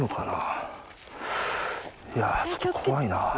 いやちょっと怖いな。